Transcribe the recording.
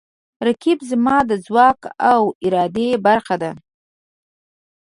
رقیب زما د ځواک او ارادې برخه ده